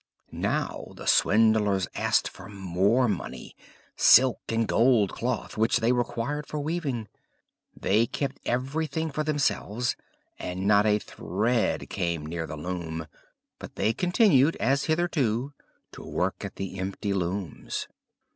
Now the swindlers asked for more money, silk and gold cloth, which they required for weaving. They kept everything for themselves, and not a thread came near the loom, but they continued, as hitherto, to work at the empty looms.